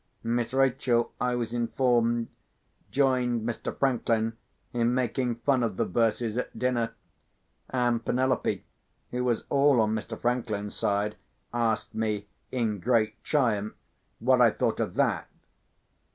Miss Rachel, I was informed, joined Mr. Franklin in making fun of the verses at dinner; and Penelope, who was all on Mr. Franklin's side, asked me, in great triumph, what I thought of that.